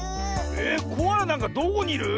えっコアラなんかどこにいる？